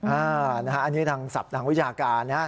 อันนี้ทางสัพทางวิทยาการ